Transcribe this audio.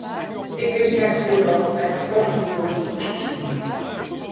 Ik wist net heal wêr't it frommes it oer hie.